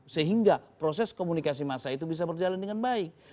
sehingga proses komunikasi massa itu bisa berjalan dengan baik